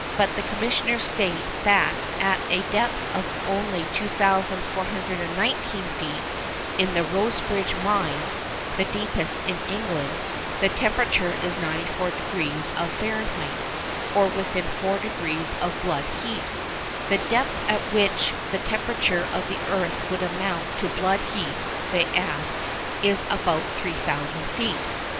But the Commissioners state that at a depth of only 2,419 feet in the Rosebridge mine (the deepest in England), the temperature is 94 degrees of Fahrenheit, or within four degrees of blood heat. 'The depth at which the temperature of the earth would amount to blood heat,' they add, 'is about 3,000 feet.